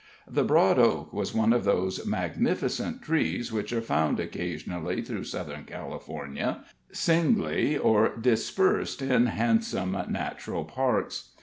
The Broad Oak was one of those magnificent trees which are found occasionally through Southern California, singly or dispersed in handsome natural parks.